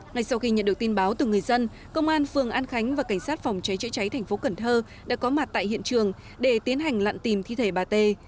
ngay sau khi nhận được tin báo từ người dân công an phường an khánh và cảnh sát phòng cháy chữa cháy thành phố cần thơ đã có mặt tại hiện trường để tiến hành lặn tìm thi thể bà tê